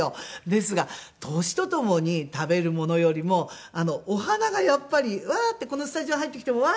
ですが年とともに食べるものよりもお花がやっぱりわー！ってこのスタジオ入ってきてもわー！